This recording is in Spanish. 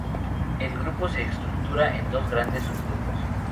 El grupo se estructura en dos grandes subgrupos.